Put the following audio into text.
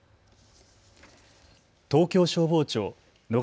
東京消防庁野方